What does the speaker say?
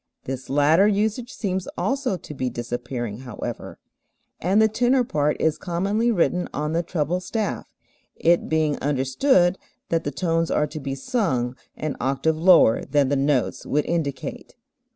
This latter usage seems also to be disappearing however, and the tenor part is commonly written on the treble staff, it being understood that the tones are to be sung an octave lower than the notes would indicate.